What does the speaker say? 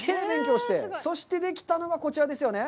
そして、できたのが、こちらですよね。